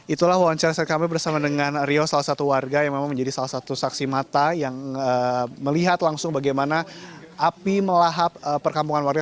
itulah wawancara kami bersama dengan rio salah satu warga yang memang menjadi salah satu saksi mata yang melihat langsung bagaimana api melahap perkampungan warga